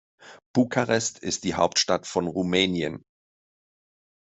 Bukarest ist die Hauptstadt von Rumänien.